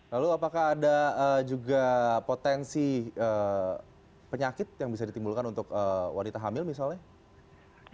lalu apakah ada juga potensi penyakit yang bisa ditimbulkan untuk wanita hamil misalnya